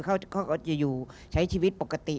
เขาก็จะอยู่ใช้ชีวิตปกติ